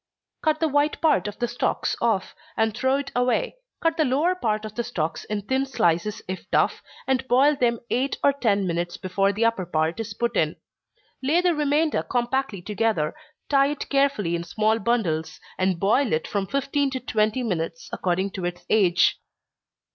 _ Cut the white part of the stalks off, and throw it away cut the lower part of the stalks in thin slices if tough, and boil them eight or ten minutes before the upper part is put in. Lay the remainder compactly together, tie it carefully in small bundles, and boil it from fifteen to twenty minutes, according to its age.